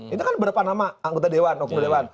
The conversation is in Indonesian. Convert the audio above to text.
itu kan berapa nama anggota dewan